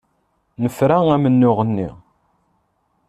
Nefra amennuɣ-nni.